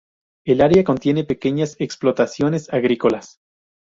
El área contiene pequeñas explotaciones agrícolas.